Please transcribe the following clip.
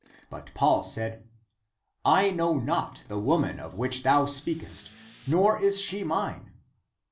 But Paul said, " I know not the woman of which thou speakest, nor is she mine."